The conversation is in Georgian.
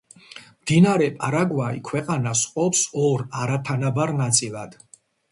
მდინარე პარაგვაი ქვეყანას ყოფს ორ არათანაბარ ნაწილად.